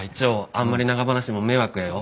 あんまり長話も迷惑やよ。